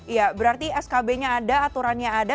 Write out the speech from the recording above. ya berarti skb nya ada aturannya ada